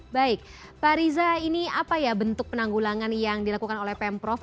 baik pak riza ini apa ya bentuk penanggulangan yang dilakukan oleh pemprov